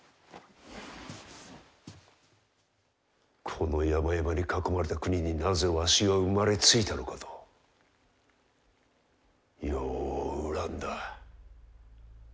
この山々に囲まれた国になぜわしは生まれついたのかとよう恨んだ。